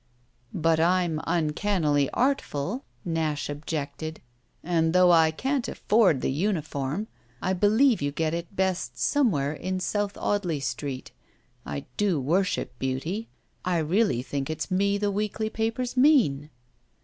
"But I'm uncannily artful," Nash objected, "and though I can't afford the uniform I believe you get it best somewhere in South Audley Street I do worship beauty. I really think it's me the weekly papers mean."